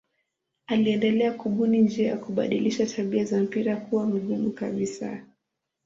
Aliendelea kubuni njia ya kubadilisha tabia za mpira kuwa mgumu kabisa.